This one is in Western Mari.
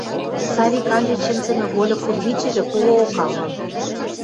Савик анжен шӹнзӹмӹ вольык кудывичӹжӹ когоок агыл.